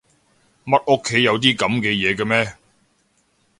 乜屋企有啲噉嘅嘢㗎咩？